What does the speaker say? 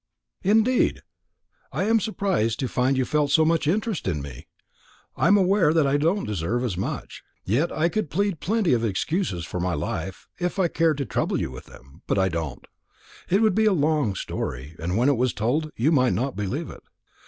"Indeed! I am surprised to find you felt so much interest in me; I'm aware that I don't deserve as much. Yet I could plead plenty of excuses for my life, if I cared to trouble you with them; but I don't. It would be a long story; and when it was told, you might not believe it.